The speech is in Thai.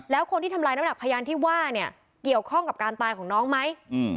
แล้วคนที่ทำลายน้ำหนักพยานที่ว่าเนี่ยเกี่ยวข้องกับการตายของน้องไหม